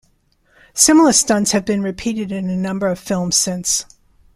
Similar stunts have been repeated in a number of films since.